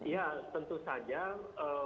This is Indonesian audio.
ya tentu saja